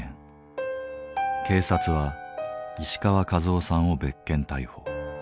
警察は石川一雄さんを別件逮捕。